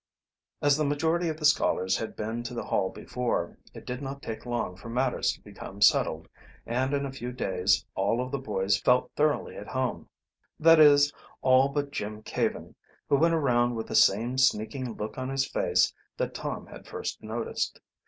As the majority of the scholars had been to the Hall before, it did not take long for matters to become settled, and in a few days all of the boys felt thoroughly at home, that is, all but Jim Caven, who went around with that same sneaking look on his face that Tom had first noticed.